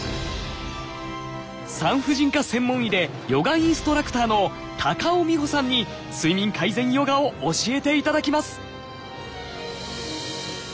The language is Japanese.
産婦人科専門医でヨガインストラクターの高尾美穂さんに睡眠改善ヨガを教えていただきます。